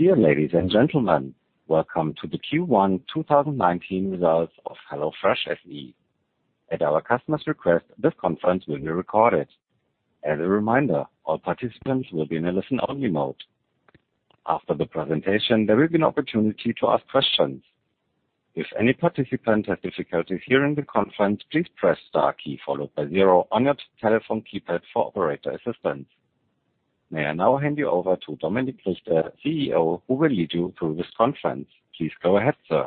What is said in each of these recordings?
Dear ladies and gentlemen, welcome to the Q1 2019 results of HelloFresh SE. At our customers' request, this conference will be recorded. As a reminder, all participants will be in a listen-only mode. After the presentation, there will be an opportunity to ask questions. If any participant has difficulties hearing the conference, please press * key followed by zero on your telephone keypad for operator assistance. May I now hand you over to Dominik Richter, CEO, who will lead you through this conference. Please go ahead, sir.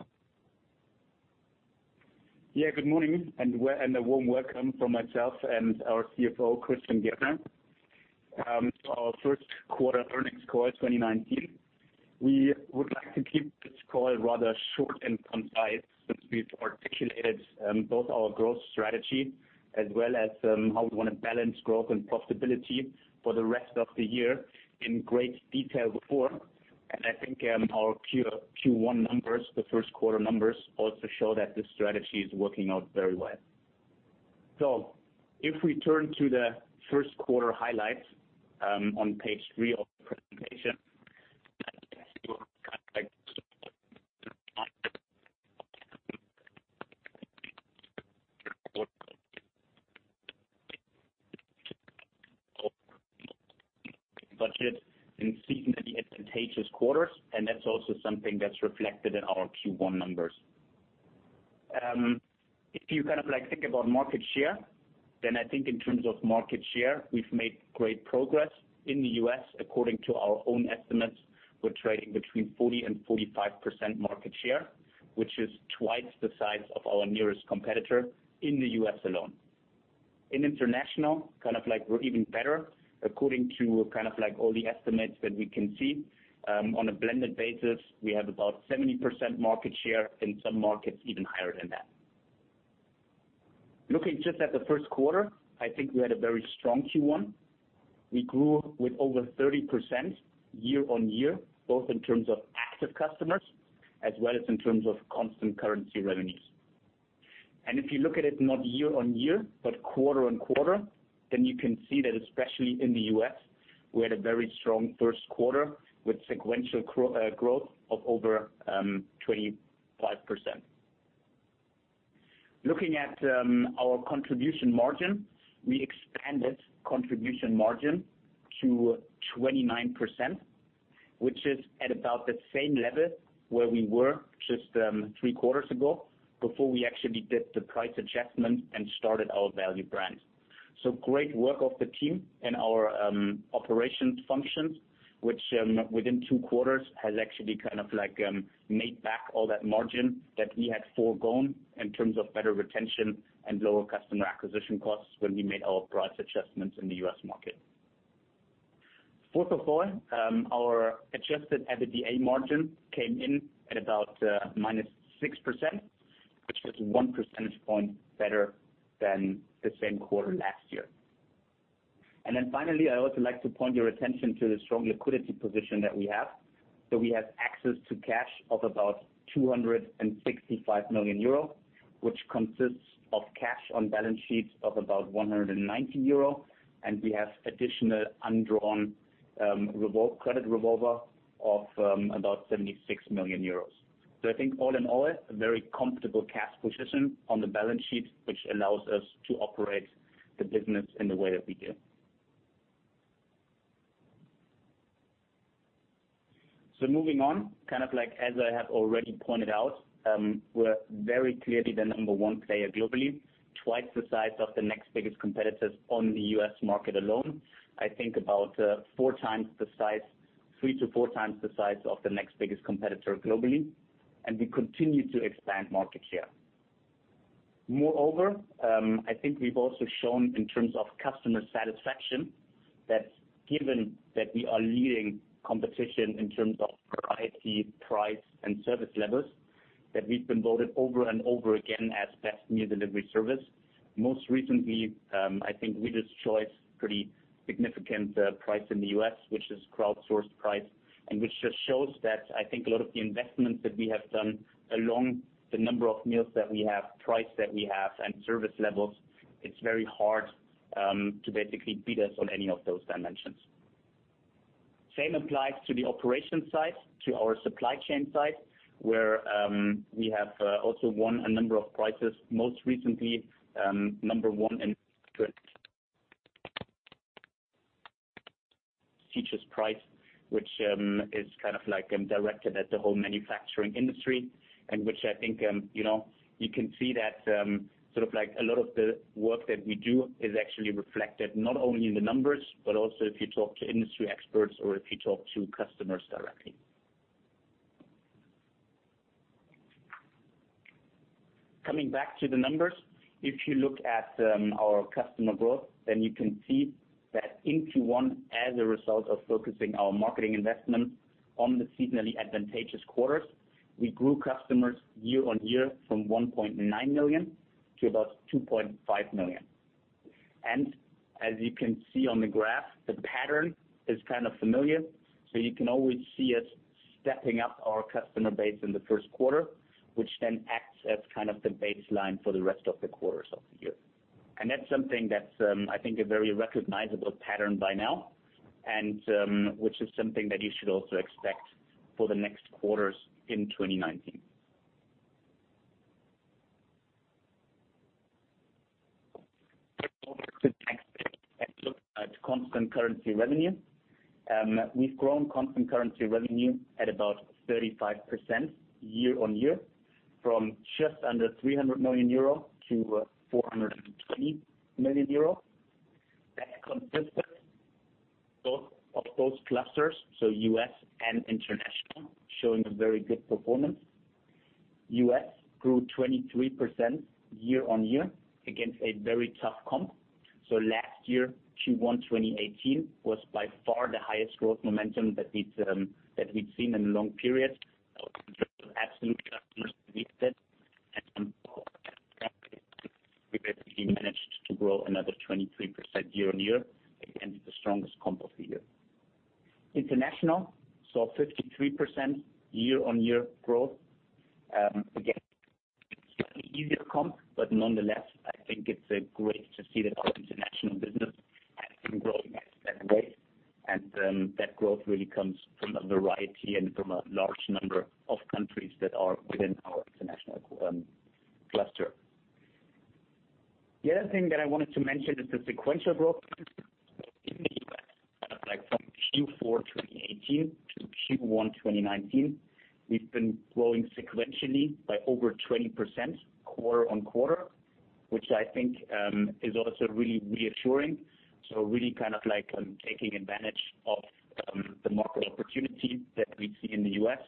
Yeah, good morning and a warm welcome from myself and our CFO, Christian Gaertner. Our first quarter earnings call 2019. We would like to keep this call rather short and concise since we've articulated both our growth strategy as well as how we want to balance growth and profitability for the rest of the year in great detail before. I think our Q1 numbers, the first quarter numbers, also show that the strategy is working out very well. If we turn to the first quarter highlights, on page three of the presentation. Budget in seasonally advantageous quarters, and that's also something that's reflected in our Q1 numbers. If you think about market share, then I think in terms of market share, we've made great progress in the U.S. According to our own estimates, we're trading between 40%-45% market share, which is twice the size of our nearest competitor in the U.S. alone. In international, we're even better. According to all the estimates that we can see, on a blended basis, we have about 70% market share. In some markets, even higher than that. Looking just at the first quarter, I think we had a very strong Q1. We grew with over 30% year-on-year, both in terms of active customers as well as in terms of constant currency revenues. If you look at it not year-on-year, but quarter-on-quarter, then you can see that especially in the U.S., we had a very strong first quarter with sequential growth of over 25%. Looking at our contribution margin, we expanded contribution margin to 29%, which is at about the same level where we were just three quarters ago before we actually did the price adjustments and started our value brand. Great work of the team and our operations functions, which within two quarters has actually made back all that margin that we had foregone in terms of better retention and lower customer acquisition costs when we made our price adjustments in the U.S. market. Fourth of all, our adjusted EBITDA margin came in at about minus 6%, which was one percentage point better than the same quarter last year. Finally, I would like to point your attention to the strong liquidity position that we have. We have access to cash of about 265 million euro, which consists of cash on balance sheets of about 190 million euro. We have additional undrawn credit revolver of about 76 million euros. I think all in all, a very comfortable cash position on the balance sheet, which allows us to operate the business in the way that we do. Moving on, as I have already pointed out, we are very clearly the number one player globally, twice the size of the next biggest competitors on the U.S. market alone. I think about three to four times the size of the next biggest competitor globally. We continue to expand market share. Moreover, I think we have also shown in terms of customer satisfaction that given that we are leading competition in terms of variety, price, and service levels, that we have been voted over and over again as best meal delivery service. Most recently, I think we won a pretty significant prize in the U.S., which is crowdsourced prize, which just shows that I think a lot of the investments that we have done along the number of meals that we have, prize that we have, and service levels, it is very hard to basically beat us on any of those dimensions. Same applies to the operations side, to our supply chain side, where we have also won a number of prizes, most recently, number one in features prize, which is directed at the whole manufacturing industry, which I think you can see that a lot of the work that we do is actually reflected not only in the numbers, but also if you talk to industry experts or if you talk to customers directly. Coming back to the numbers, if you look at our customer growth, you can see that in Q1, as a result of focusing our marketing investment on the seasonally advantageous quarters, we grew customers year-on-year from 1.9 million to about 2.5 million. As you can see on the graph, the pattern is kind of familiar. You can always see us stepping up our customer base in the first quarter, which acts as kind of the baseline for the rest of the quarters of the year. That is something that is, I think, a very recognizable pattern by now, which is something that you should also expect for the next quarters in 2019. Over to the next bit and look at constant currency revenue. We have grown constant currency revenue at about 35% year-on-year, from just under 300 million euro to 420 million euro. That consists of both clusters, U.S. and International, showing a very good performance. U.S. grew 23% year-on-year against a very tough comp. Last year, Q1 2018, was by far the highest growth momentum that we had seen in a long period. Absolutely, we managed to grow another 23% year-on-year, again, the strongest comp of the year. International saw 53% year-on-year growth. Again, slightly easier comp, but nonetheless, I think it is great to see that our international business has been growing at that rate. That growth really comes from a variety and from a large number of countries that are within our International cluster. The other thing that I wanted to mention is the sequential growth in the U.S., from Q4 2018 to Q1 2019. We have been growing sequentially by over 20% quarter-on-quarter, which I think is also really reassuring. Really taking advantage of the market opportunities that we see in the U.S.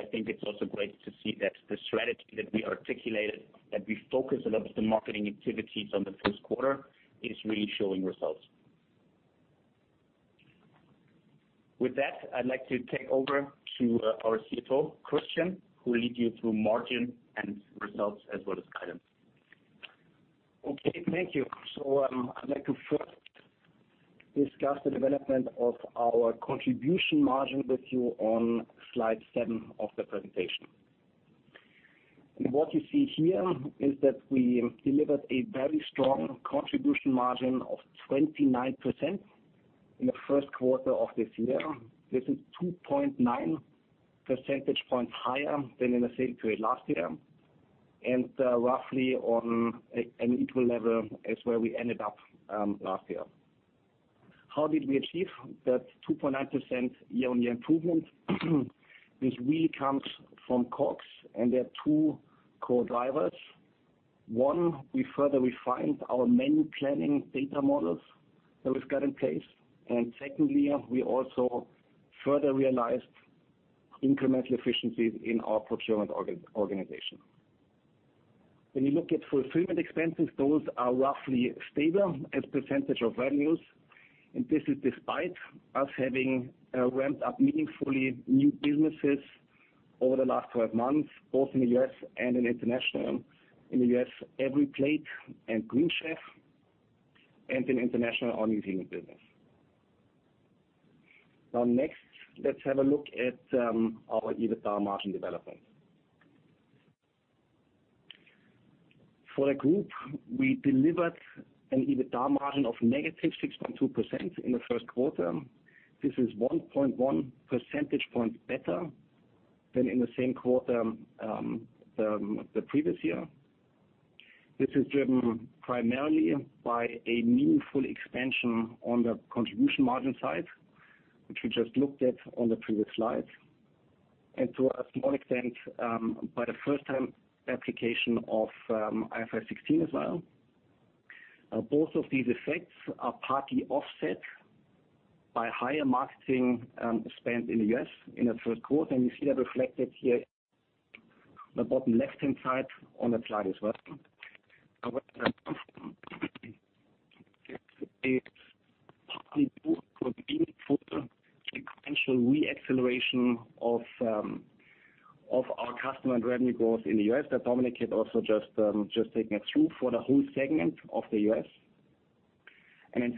I think it's also great to see that the strategy that we articulated, that we focus a lot of the marketing activities on the first quarter, is really showing results. With that, I'd like to hand over to our CFO, Christian, who will lead you through margin and results as well as guidance. Okay, thank you. I'd like to first discuss the development of our contribution margin with you on slide seven of the presentation. What you see here is that we delivered a very strong contribution margin of 29% in the first quarter of this year. This is 2.9 percentage points higher than in the same period last year, and roughly on an equal level as where we ended up last year. How did we achieve that 2.9% year-over-year improvement? This really comes from COGS, and there are two core drivers. One, we further refined our menu planning data models that we've got in place. Secondly, we also further realized incremental efficiencies in our procurement organization. When you look at fulfillment expenses, those are roughly stable as % of revenues. This is despite us having ramped up meaningfully new businesses over the last 12 months, both in the U.S. and in international. In the U.S., EveryPlate and Green Chef, and in international, our New Zealand business. Next, let's have a look at our EBITDA margin development. For the group, we delivered an EBITDA margin of negative 6.2% in the first quarter. This is 1.1 percentage points better than in the same quarter the previous year. This is driven primarily by a meaningful expansion on the contribution margin side, which we just looked at on the previous slide, and to a small extent, by the first-time application of IFRS 16 as well. Both of these effects are partly offset by higher marketing spend in the U.S. in the first quarter. You see that reflected here in the bottom left-hand side on the slide as well. Sequential re-acceleration of our customer and revenue growth in the U.S. that Dominik had also just taken us through for the whole segment of the U.S.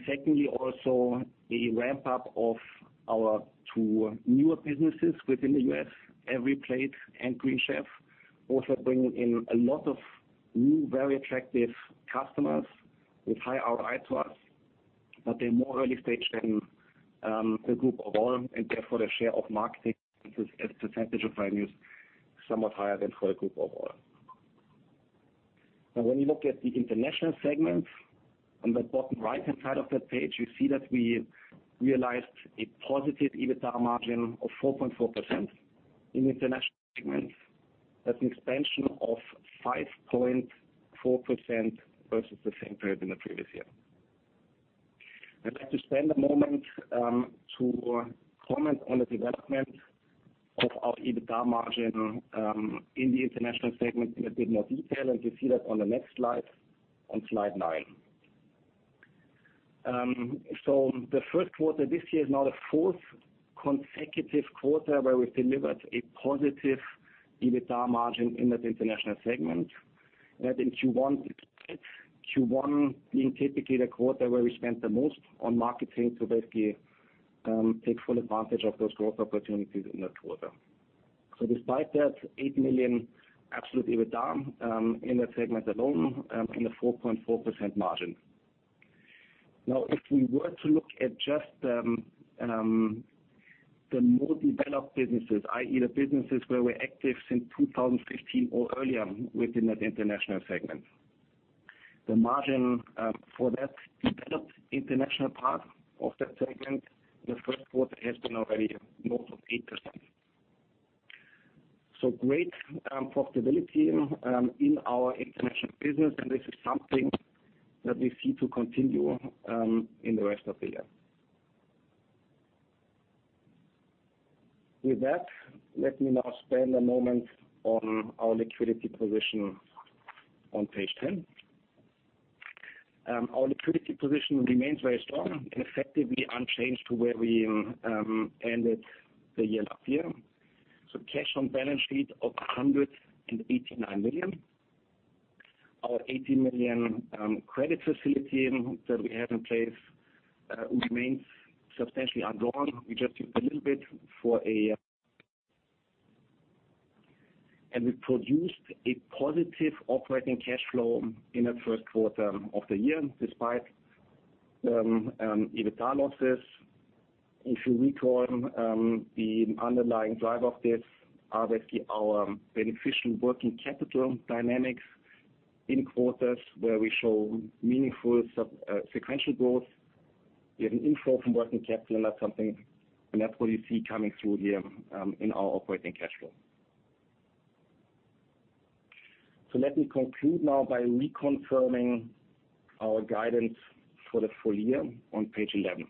Secondly, also the ramp-up of our two newer businesses within the U.S., EveryPlate and Green Chef, also bringing in a lot of new, very attractive customers with high ROI to us. They're more early stage than the group overall, and therefore the share of marketing as a % of revenues is somewhat higher than for the group overall. When you look at the international segments, on the bottom right-hand side of that page, you see that we realized a positive EBITDA margin of 4.4% in international segments. That's an expansion of 5.4% versus the same period in the previous year. I'd like to spend a moment to comment on the development of our EBITDA margin in the international segment in a bit more detail. You see that on the next slide, on slide nine. The first quarter this year is now the fourth consecutive quarter where we've delivered a positive EBITDA margin in that international segment. That in Q1 being typically the quarter where we spend the most on marketing to basically take full advantage of those growth opportunities in that quarter. Despite that, 8 million absolutely with EBITDA in that segment alone, and a 4.4% margin. Now, if we were to look at just the more developed businesses, i.e., the businesses where we're active since 2015 or earlier within that international segment. The margin for that developed international part of that segment, the first quarter has been already north of 8%. Great profitability in our international business. This is something that we see to continue in the rest of the year. With that, let me now spend a moment on our liquidity position on page 10. Our liquidity position remains very strong and effectively unchanged to where we ended the year last year. Cash on balance sheet of 189 million. Our 80 million credit facility that we have in place remains substantially undrawn. We produced a positive operating cash flow in the first quarter of the year, despite EBITDA losses. If you recall, the underlying driver of this, obviously our beneficial working capital dynamics in quarters where we show meaningful sequential growth. We have an inflow from working capital, and that's what you see coming through here, in our operating cash flow. Let me conclude now by reconfirming our guidance for the full year on page 11.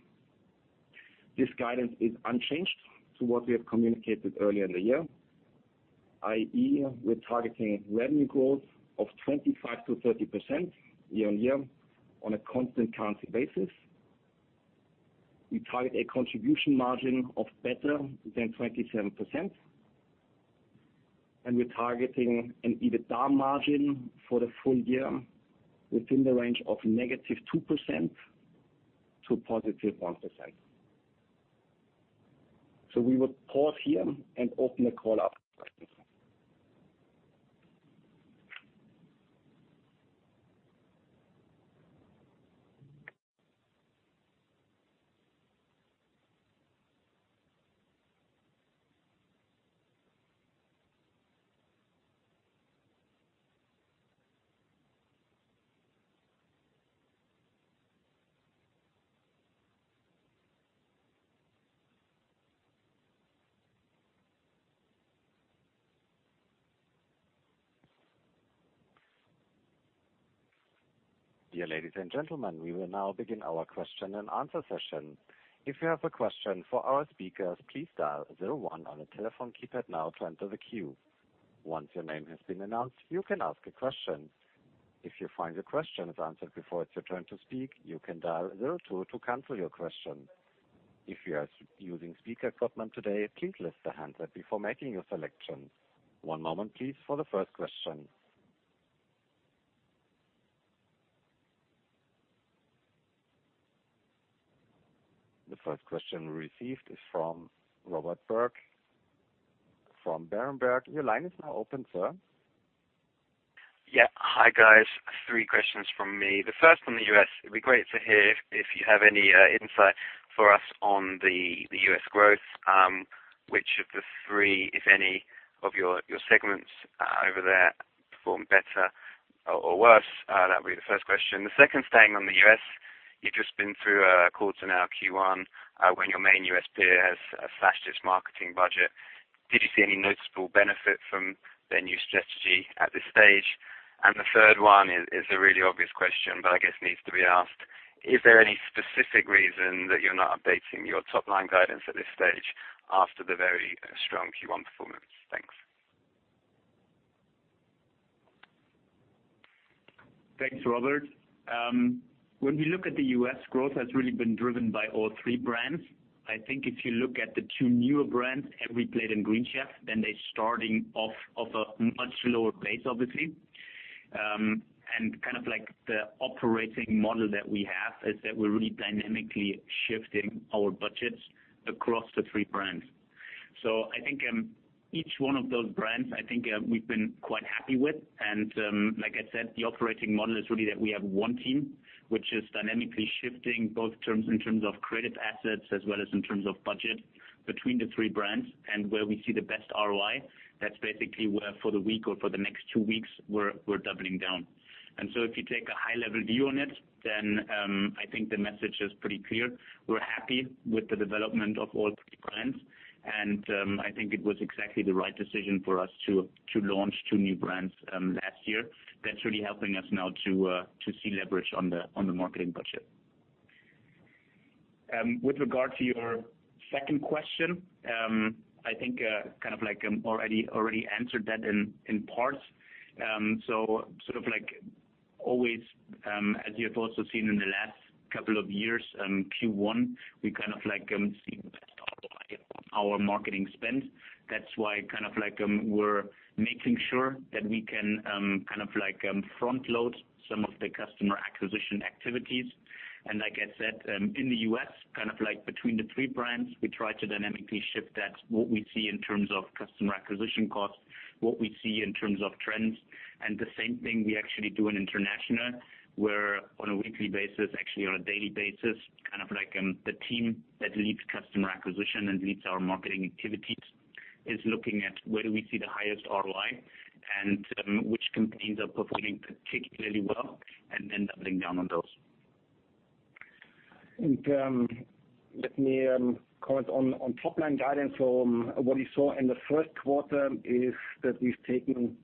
This guidance is unchanged to what we have communicated earlier in the year, i.e., we're targeting revenue growth of 25%-30% year-on-year on a constant currency basis. We target a contribution margin of better than 27%, and we're targeting an EBITDA margin for the full year within the range of -2% to +1%. We will pause here and open the call up. Dear ladies and gentlemen, we will now begin our question and answer session. If you have a question for our speakers, please dial zero one on your telephone keypad now to enter the queue. Once your name has been announced, you can ask a question. If you find your question is answered before it's your turn to speak, you can dial zero two to cancel your question. If you are using speaker equipment today, please lift the handset before making your selection. One moment please for the first question. The first question received is from Robert Burke from Berenberg. Your line is now open, sir. Yeah. Hi, guys. 3 questions from me. The first on the U.S. It'd be great to hear if you have any insight for us on the U.S. growth, which of the 3, if any, of your segments over there perform better or worse? That'll be the first question. The second, staying on the U.S., you've just been through a quarter now, Q1, when your main U.S. peer has slashed its marketing budget. Did you see any noticeable benefit from their new strategy at this stage? The third one is a really obvious question, but I guess needs to be asked. Is there any specific reason that you're not updating your top-line guidance at this stage after the very strong Q1 performance? Thanks. Thanks, Robert. When we look at the U.S., growth has really been driven by all 3 brands. I think if you look at the 2 newer brands, EveryPlate and Green Chef, then they're starting off of a much lower base, obviously. The operating model that we have is that we're really dynamically shifting our budgets across the 3 brands. I think, each one of those brands, I think we've been quite happy with. Like I said, the operating model is really that we have one team, which is dynamically shifting both in terms of creative assets as well as in terms of budget between the 3 brands. Where we see the best ROI, that's basically where for the week or for the next 2 weeks, we're doubling down. If you take a high-level view on it, then I think the message is pretty clear. We're happy with the development of all 3 brands. I think it was exactly the right decision for us to launch 2 new brands last year. That's really helping us now to see leverage on the marketing budget. With regard to your second question, I think I already answered that in parts. Always, as you have also seen in the last couple of years, Q1, we see best ROI on our marketing spend. That's why we're making sure that we can front-load some of the customer acquisition activities. Like I said, in the U.S., between the 3 brands, we try to dynamically shift that what we see in terms of customer acquisition costs, what we see in terms of trends, and the same thing we actually do in international. Where on a weekly basis, actually on a daily basis, the team that leads customer acquisition and leads our marketing activities is looking at where do we see the highest ROI, and which campaigns are performing particularly well, and then doubling down on those. Let me comment on top-line guidance. So what you saw in the first quarter is that we have taken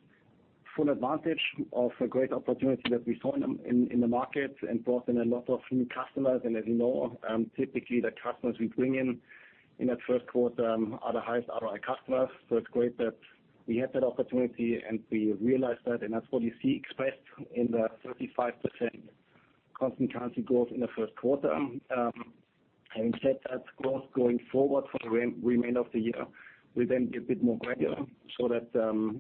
full advantage of a great opportunity that we saw in the market and brought in a lot of new customers. As you know, typically the customers we bring in in that first quarter are the highest ROI customers. So it is great that we had that opportunity, and we realized that, and that is what you see expressed in the 35% constant currency growth in the first quarter. Having said that, growth going forward for the remainder of the year will then be a bit more gradual so that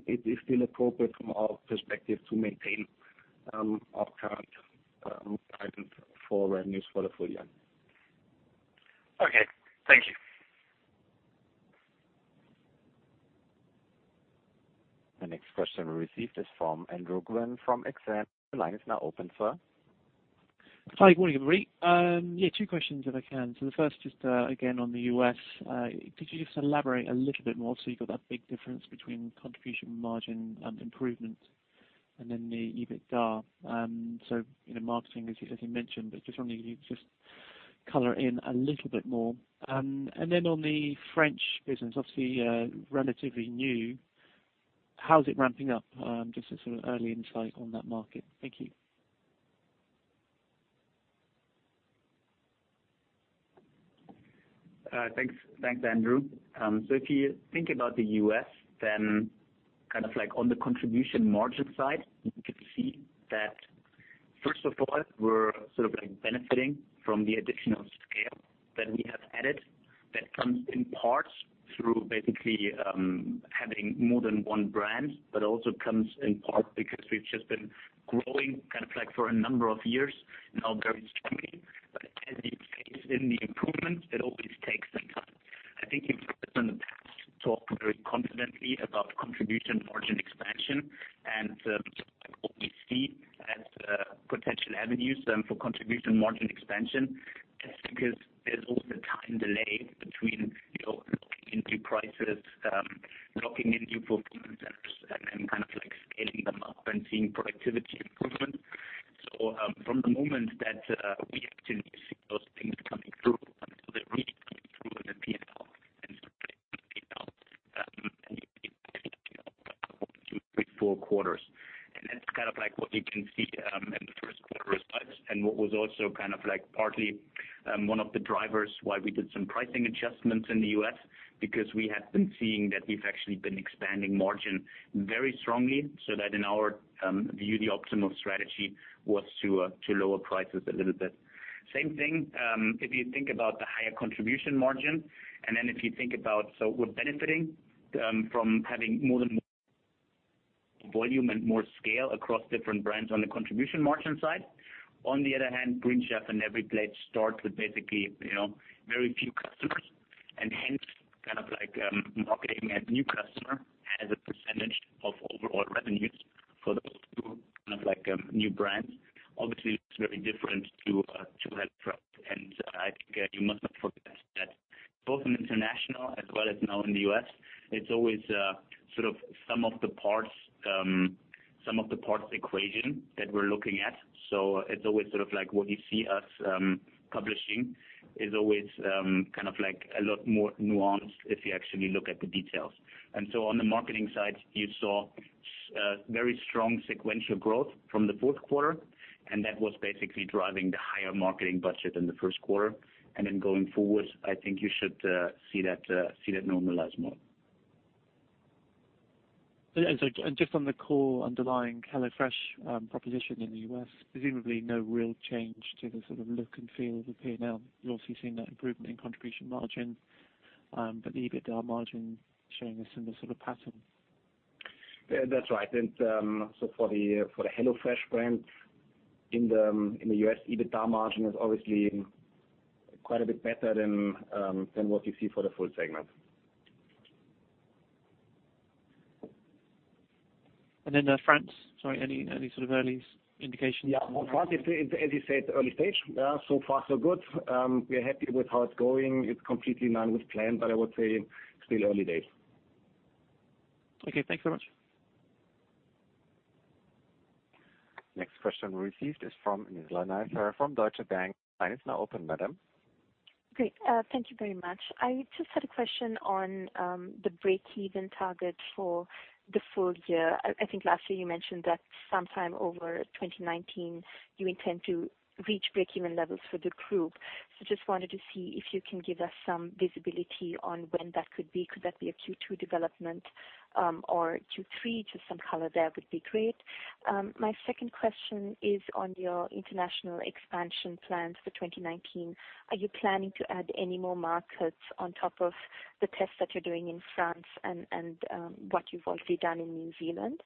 it is still appropriate from our perspective to maintain our current guidance for revenues for the full year. Okay. Thank you. The next question we received is from Andrew Gwynn from Exane. The line is now open, sir. Hi, good morning, everybody. Two questions if I can. The first, just again on the U.S. Could you just elaborate a little bit more, so you have got that big difference between contribution margin improvement and then the EBITDA. So, marketing, as you mentioned, but just wondering if you could just color it in a little bit more. And then on the French business, obviously, relatively new, how is it ramping up? Just a sort of early insight on that market. Thank you. Thanks, Andrew. If you think about the U.S., on the contribution margin side, you can see that first of all, we're sort of benefiting from the additional scale that we have added that comes in parts through basically having more than one brand, but also comes in part because we've just been growing for a number of years now very strongly. As is the case in the improvements, it always takes some time. I think you've heard us in the past talk very confidently about contribution margin expansion and what we see as potential avenues for contribution margin expansion. Because there's also time delay between locking in new prices, locking in new fulfillment centers, and then scaling them up and seeing productivity improvement. From the moment that we actually see those things coming through until they really come through in the P&L and the trade P&L, may be one, two, three, four quarters. That's what you can see in the first quarter results, and what was also partly one of the drivers why we did some pricing adjustments in the U.S. because we have been seeing that we've actually been expanding margin very strongly so that in our view, the optimal strategy was to lower prices a little bit. Same thing, if you think about the higher contribution margin, if you think about, we're benefiting from having more volume and more scale across different brands on the contribution margin side. On the other hand, Green Chef and EveryPlate start with basically very few customers. Hence, marketing a new customer as a percentage of overall revenues for those two new brands, obviously looks very different to HelloFresh. I think you must not forget that both in international as well as now in the U.S., it's always sort of sum of the parts equation that we're looking at. It's always sort of like what you see us publishing is always a lot more nuanced if you actually look at the details. On the marketing side, you saw very strong sequential growth from the fourth quarter, and that was basically driving the higher marketing budget in the first quarter. Going forward, I think you should see that normalize more. Just on the core underlying HelloFresh proposition in the U.S., presumably no real change to the sort of look and feel of the P&L. You're obviously seeing that improvement in contribution margin, the EBITDA margin showing a similar sort of pattern. That's right. For the HelloFresh brand in the U.S., EBITDA margin is obviously quite a bit better than what you see for the full segment. France. Sorry, any sort of early indications? Yeah. France is, as you said, early stage. So far so good. We are happy with how it's going. It's completely in line with plan, but I would say it's still early days. Okay. Thanks so much. Next question we received is from Nizla Naizer from Deutsche Bank. Line is now open, madam. Great. Thank you very much. I just had a question on the breakeven target for the full year. I think last year you mentioned that sometime over 2019 you intend to reach breakeven levels for the group. Just wanted to see if you can give us some visibility on when that could be. Could that be a Q2 development or Q3? Just some color there would be great. My second question is on your international expansion plans for 2019. Are you planning to add any more markets on top of the tests that you're doing in France and what you've also done in New Zealand?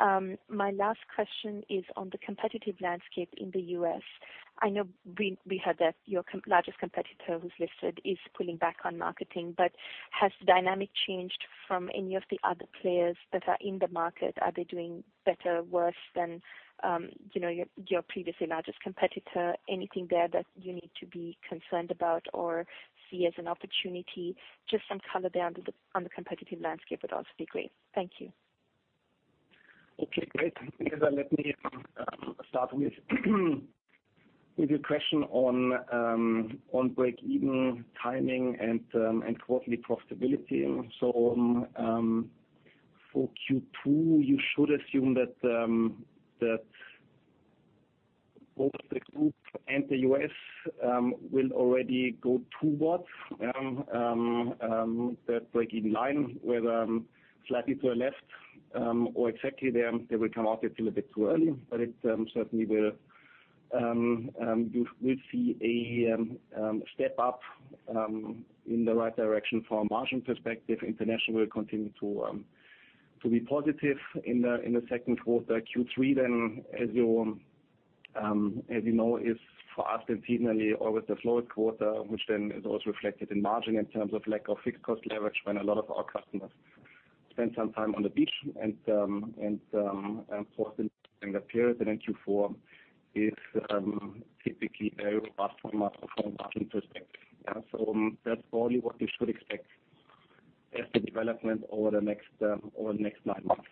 My last question is on the competitive landscape in the U.S. I know we heard that your largest competitor who's listed is pulling back on marketing, but has the dynamic changed from any of the other players that are in the market? Are they doing better, worse than your previously largest competitor? Anything there that you need to be concerned about or see as an opportunity? Just some color there on the competitive landscape would also be great. Thank you. Okay, great. Nizla, let me start with your question on breakeven timing and quarterly profitability. For Q2, you should assume that both the group and the U.S. will already go towards that breakeven line, whether slightly to the left or exactly there. They will come out, it's a little bit too early, but it certainly will. You will see a step up in the right direction from a margin perspective. International will continue to be positive in the second quarter. Q3, as you know, is for us seasonally always the slowest quarter, which then is also reflected in margin in terms of lack of fixed cost leverage when a lot of our customers spend some time on the beach and forth in the period. Q4 is typically a robust format from a margin perspective. Yeah, that's probably what we should expect as the development over the next nine months.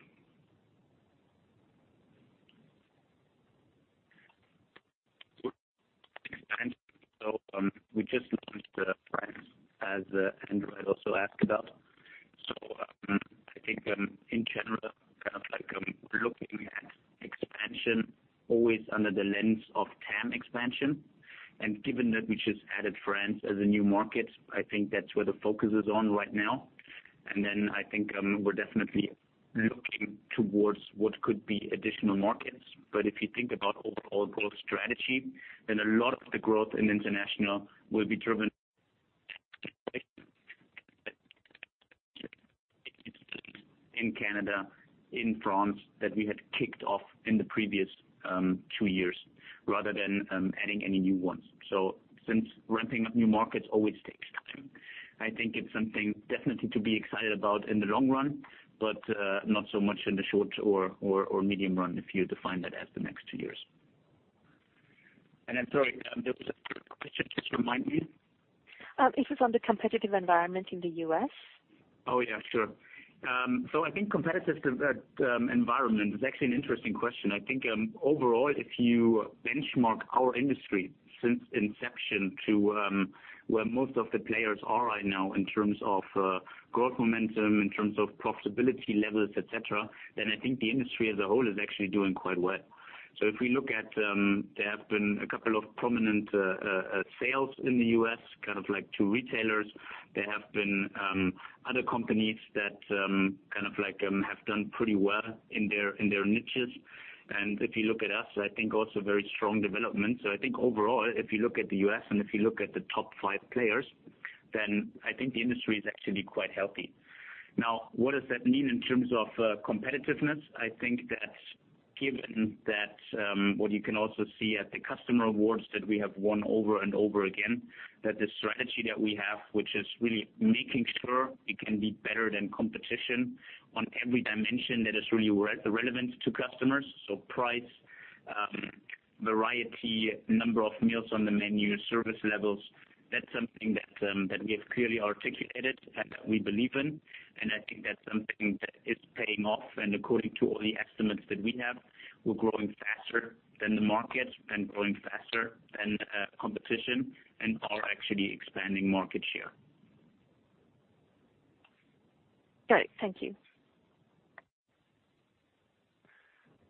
We just launched France as Andrew Gwynn also asked about. I think, in general, looking at expansion always under the lens of TAM expansion. Given that we just added France as a new market, I think that's where the focus is on right now. Then I think we're definitely looking towards what could be additional markets. If you think about overall growth strategy, then a lot of the growth in international will be driven in Canada, in France that we had kicked off in the previous two years rather than adding any new ones. Since ramping up new markets always takes time, I think it's something definitely to be excited about in the long run, but not so much in the short or medium run if you define that as the next two years. I'm sorry, there was a third question. Just remind me. This is on the competitive environment in the U.S. Oh yeah, sure. I think competitive environment is actually an interesting question. I think, overall, if you benchmark our industry since inception to where most of the players are right now in terms of growth momentum, in terms of profitability levels, et cetera, then I think the industry as a whole is actually doing quite well. If we look at, there have been a couple of prominent sales in the U.S., like two retailers. There have been other companies that have done pretty well in their niches. If you look at us, I think also very strong development. I think overall, if you look at the U.S. and if you look at the top five players, then I think the industry is actually quite healthy. Now, what does that mean in terms of competitiveness? I think that given that what you can also see at the customer awards that we have won over and over again, that the strategy that we have, which is really making sure we can be better than competition on every dimension that is really relevant to customers. Price, variety, number of meals on the menu, service levels, that's something that we have clearly articulated and that we believe in. I think that's something that is paying off. According to all the estimates that we have, we're growing faster than the market and growing faster than competition and are actually expanding market share. Great. Thank you.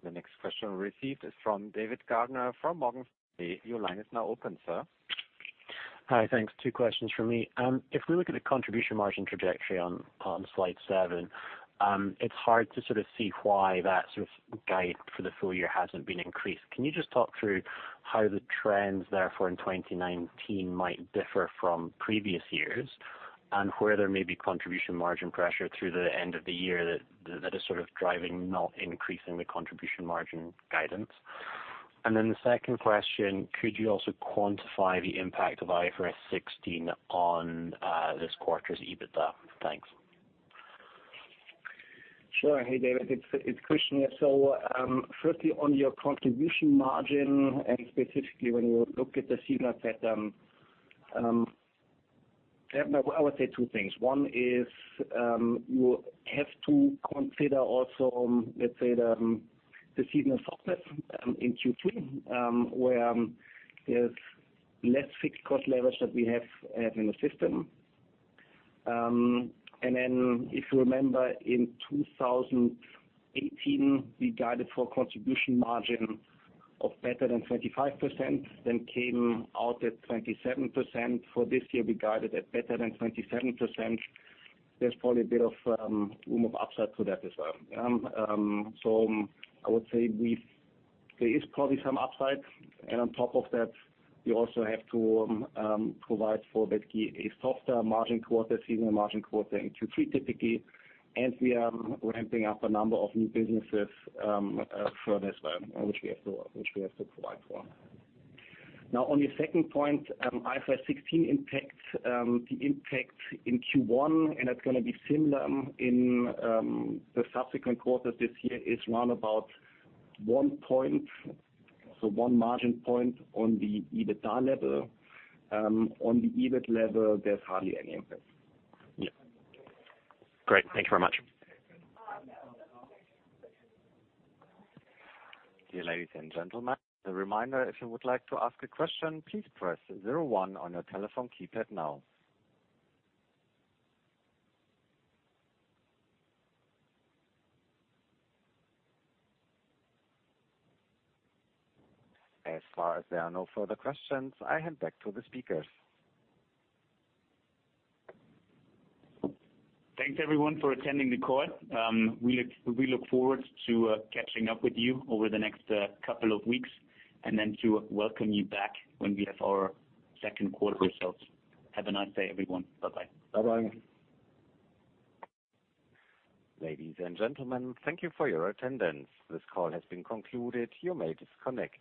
The next question received is from David Gardner from Morgan Stanley. Your line is now open, sir. Hi. Thanks. Two questions from me. If we look at the contribution margin trajectory on slide seven, it's hard to sort of see why that sort of guide for the full year hasn't been increased. Can you just talk through how the trends, therefore in 2019 might differ from previous years? Where there may be contribution margin pressure through the end of the year that is sort of driving not increasing the contribution margin guidance? The second question, could you also quantify the impact of IFRS 16 on this quarter's EBITDA? Thanks. Sure. Hey, David, it's Christian here. Firstly on your contribution margin, specifically when you look at the signal set, I would say two things. One is, you have to consider also, let's say, the seasonal softness in Q3, where there's less fixed cost leverage that we have in the system. If you remember in 2018, we guided for a contribution margin of better than 25%, then came out at 27%. For this year, we guided at better than 27%. There's probably a bit of room of upside to that as well. I would say there is probably some upside. On top of that, we also have to provide for basically a softer margin quarter, seasonal margin quarter in Q3 typically. We are ramping up a number of new businesses further as well, which we have to provide for. On your second point, IFRS 16 impacts the impact in Q1 and it's going to be similar in the subsequent quarters this year is round about one point. One margin point on the EBITDA level. On the EBIT level, there's hardly any impact. Yeah. Great. Thank you very much. Dear ladies and gentlemen, a reminder, if you would like to ask a question, please press zero one on your telephone keypad now. As far as there are no further questions, I hand back to the speakers. Thanks everyone for attending the call. We look forward to catching up with you over the next couple of weeks and then to welcome you back when we have our second quarter results. Have a nice day everyone. Bye-bye. Bye-bye. Ladies and gentlemen, thank you for your attendance. This call has been concluded. You may disconnect.